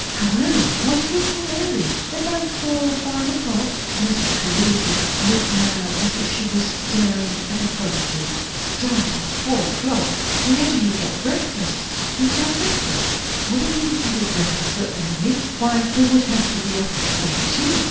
"How early? What do you call early?" "About four or five o'clock." Mrs. Caruthers looked now as if she were staring at a prodigy. "Start at four o'clock! Where do you get breakfast? Don't you have breakfast? Will the people give you breakfast so early? Why, they would have to be up by two."